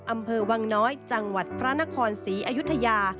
อำเภอวังน้อยจังหวัดพระนครศรีอยุธยา